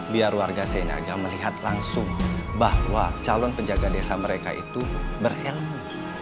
biar warga sinaga melihat langsung bahwa calon penjaga desa mereka itu berilmu